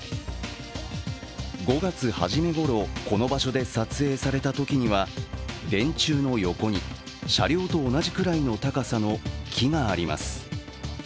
５月はじめごろ、この場所で撮影されたときには電柱の横に車両と同じくらいの高さの木があります。